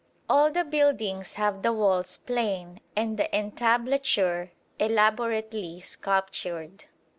All the buildings have the walls plain and the entablature elaborately sculptured.